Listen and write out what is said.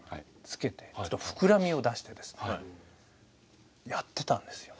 つけてちょっと膨らみを出してですねやってたんですよ。